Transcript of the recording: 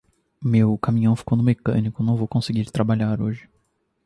Meu caminhão ficou no mecânico, não vou conseguir trabalhar hoje.